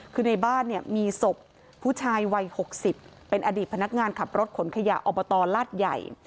คือในบ้านเนี่ยมีศพผู้ชายวัย๖๐เป็นอดีตพนักงานขับรถขนขยะอบตลาดใหญ่